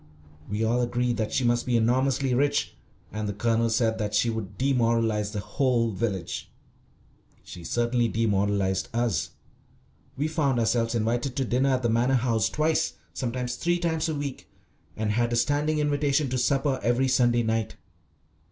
We all agreed that she must be enormously rich, and the Colonel said that she would demoralise the whole village. She certainly demoralised us. We found ourselves invited to dinner at the Manor House twice, sometimes three times, a week, and had a standing invitation to supper every Sunday night.